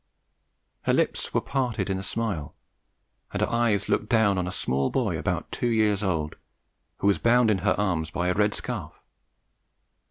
Her lips were parted in a smile, and her eyes looked down on a small boy about two years old, who was bound in her arms by a red scarf.